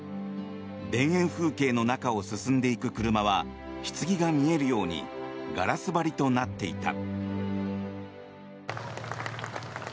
田園風景の中を進んでいく車はひつぎが見えるようにガラス張りとなっていた。